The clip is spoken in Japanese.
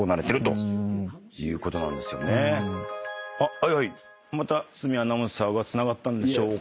あっまた堤アナウンサーがつながったんでしょうか。